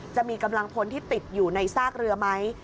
จะมีกำลังพลที่ติดอยู่ในซากเรือไหม